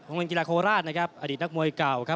โรงเรียนกีฬาโคลาสอดีตนักมวยเก่า